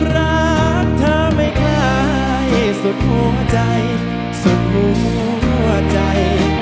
รักเธอไม่คล้ายสุดหัวใจสุดหัวใจ